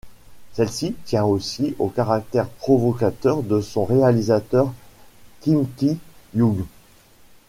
Celle-ci tient aussi au caractère provocateur de son réalisateur, Kim Ki-young.